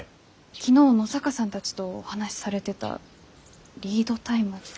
昨日野坂さんたちとお話しされてたリードタイムって。